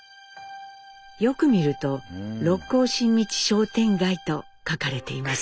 よく見ると六甲新道商店街と書かれています。